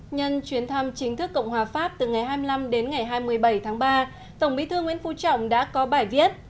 nhân chuyến thăm chính thức cộng hòa pháp từ ngày hai mươi năm đến ngày hai mươi bảy tháng ba tổng bí thư nguyễn phú trọng đã có bài viết